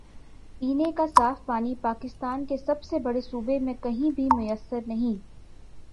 پینے کا صاف پانی پاکستان کے سب سے بڑے صوبے میں کہیں بھی میسر نہیں۔